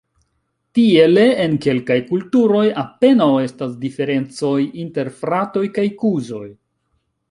Tiele en kelkaj kulturoj apenaŭ estas diferencoj inter fratoj kaj kuzoj.